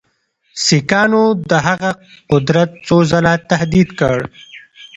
سیکهانو د هغه قدرت څو ځله تهدید کړ.